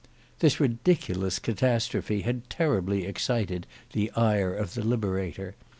This ridiculous catastrophe had terribly excited the ire of the Liberator.